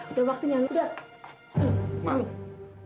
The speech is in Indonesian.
udah waktunya yuk lupain yuk